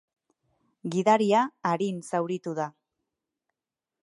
Gidaria arin zauritu da.